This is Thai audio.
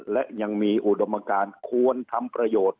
และยังมีอุดมการควรทำประโยชน์